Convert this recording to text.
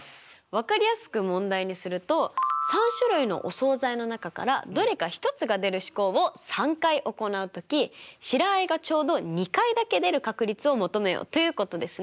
分かりやすく問題にすると３種類のお総菜の中からどれか１つが出る試行を３回行うとき白あえがちょうど２回だけ出る確率を求めよということですね。